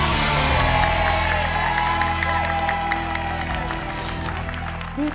ฮาวะละพร้อม